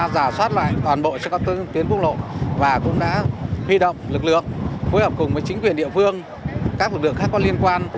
giả soát lại toàn bộ các tuyến quốc lộ và cũng đã huy động lực lượng phối hợp cùng với chính quyền địa phương các lực lượng khác có liên quan